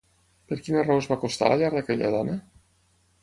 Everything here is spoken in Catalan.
Per quina raó es va acostar a la llar d'aquella dona?